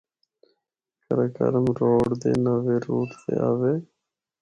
قراقرم روڑ دے نوے روٹ تے آوے۔